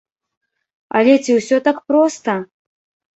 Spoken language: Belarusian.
Але ці ўсё так проста?